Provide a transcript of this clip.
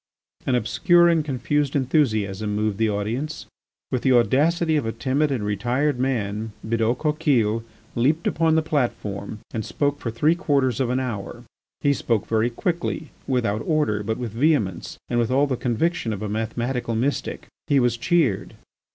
An obscure and confused enthusiasm moved the audience. With the audacity of a timid and retired man Bidault Coquille leaped upon the platform and spoke for three quarters of an hour. He spoke very quickly, without order, but with vehemence, and with all the conviction of a mathematical mystic. He was cheered.